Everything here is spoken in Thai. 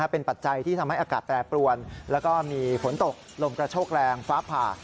เป็นปัจจัยที่ทำให้อากาศแปรปรวนแล้วก็มีฝนตกลมกระโชกแรงฟ้าผ่า